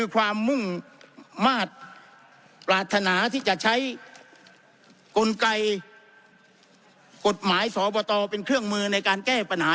ความมุ่งมาตรปรารถนาที่จะใช้กลไกกฎหมายสบตเป็นเครื่องมือในการแก้ปัญหา